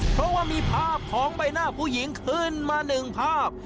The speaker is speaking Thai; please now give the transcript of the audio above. เพราะว่ามีภาพของใบหน้าผู้หญิงขึ้นมาหนึ่งภาพ